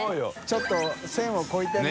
ちょっと線を超えてるな。